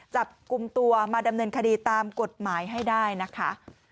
จับกลุ่มตัวมาดำเนินคดีตามกฎหมายให้ได้นะคะ